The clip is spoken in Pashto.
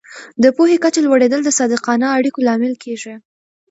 د پوهې کچه لوړېدل د صادقانه اړیکو لامل کېږي.